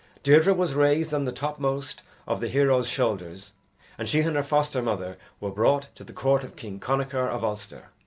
Deirdre was raised on the topmost of the heroes' shoulders and she and her foster mother were brought to the Court of King Connachar of Ulster.